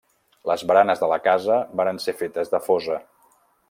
Les baranes de la casa varen ser fetes de fosa.